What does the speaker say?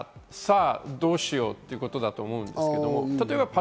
さあ、どうしようってことだと思うんですね。